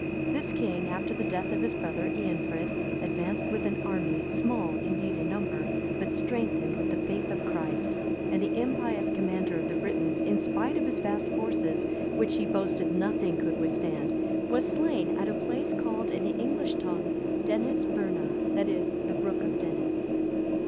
This king, after the death of his brother Eanfrid,(288) advanced with an army, small, indeed, in number, but strengthened with the faith of Christ; and the impious commander of the Britons, in spite of his vast forces, which he boasted nothing could withstand, was slain at a place called in the English tongue Denisesburna, that is, the brook of Denis.